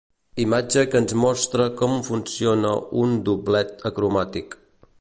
Imatge que ens mostra com funciona un doblet acromàtic.